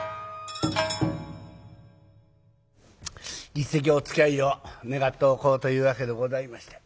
一席おつきあいを願っておこうというわけでございまして。